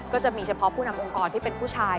ก็จะมีเฉพาะผู้นำองค์กรที่เป็นผู้ชาย